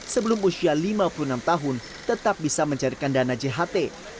sebelum usia lima puluh enam tahun tetap bisa mencairkan dana jht